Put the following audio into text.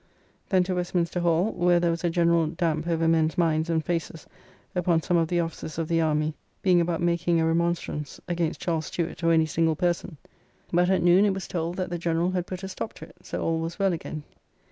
Then to Westminster Hall, where there was a general damp over men's minds and faces upon some of the Officers of the Army being about making a remonstrance against Charles Stuart or any single person; but at noon it was told, that the General had put a stop to it, so all was well again.